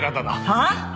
はあ！？